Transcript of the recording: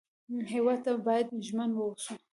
هېواد ته باید ژمن و اوسو